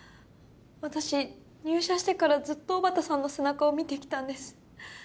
私入社してからずっと小畑さんの背中を見てきたんです。